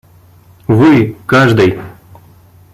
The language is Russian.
Вы – каждой!